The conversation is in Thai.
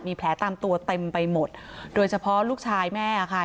มีแผลตามตัวเต็มไปหมดโดยเฉพาะลูกชายแม่ค่ะ